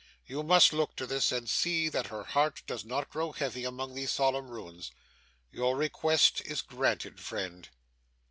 You must look to this, and see that her heart does not grow heavy among these solemn ruins. Your request is granted, friend.